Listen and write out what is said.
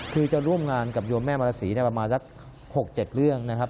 คือจะร่วมงานกับโยมแม่มรสีประมาณสัก๖๗เรื่องนะครับ